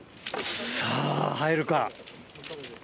さぁ入るか？